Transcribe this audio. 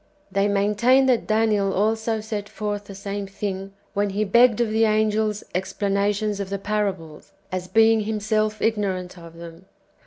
They maintain that Daniel also set forth the same thing when he begged of the angels explanations of the parables, as being himself ignorant of them.